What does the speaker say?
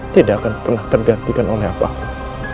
tidak akan pernah tergantikan oleh apapun